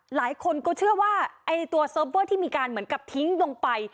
หลายคนก็เชื่อว่าไอ้ตัวเซิร์ฟเวอร์ที่มีการเหมือนกับทิ้งลงไป